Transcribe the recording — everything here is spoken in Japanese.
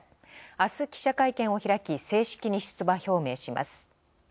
明日、記者会見を開き、正式に出馬表明します。